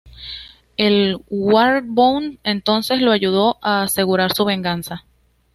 El Warbound entonces lo ayudó a asegurar su venganza.